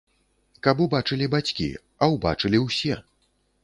Каб убачылі бацькі, а ўбачылі ўсе.